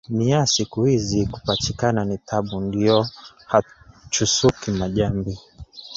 Miyaa siku hizi kupachikana ni tabu ndiyo hachusuki majambi